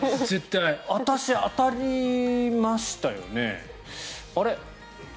私、当たりましたよね？